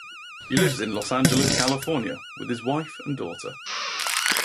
He lives in Los Angeles, California with his wife and daughter.